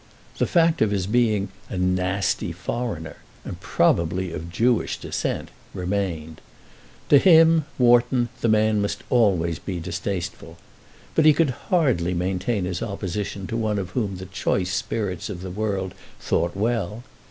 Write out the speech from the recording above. The fact of his being a "nasty foreigner," and probably of Jewish descent, remained. To him, Wharton, the man must always be distasteful. But he could hardly maintain his opposition to one of whom the choice spirits of the world thought well.